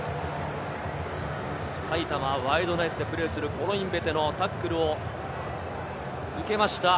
埼玉ワイルドナイツでプレーするコロインベテのタックルを受けた。